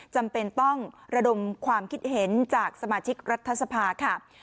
จำเป็นต้องระดมความคิดเห็นจากสมาชิกรัฐสภาค่ะ